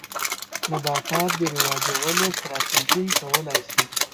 نباتاتو د رواجولو ستراتیژۍ کولای شي.